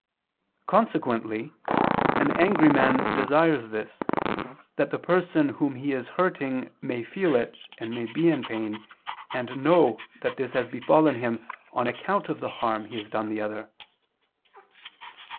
Consequently an angry man desires this, that the person whom he is hurting, may feel it and be in pain, and know that this has befallen him on account of the harm he has done the other.